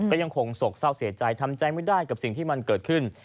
ก็ยังคงโศกเศร้าเสียใจทำใจไม่ได้กับสิ่งที่มันเกิดขึ้น